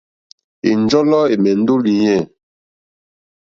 Ɛ̀njɔ́lɔ́ ɛ̀mɛ́ndɛ́ ó lìɲɛ̂.